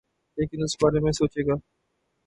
لیکن اس بارے میں سوچے گا۔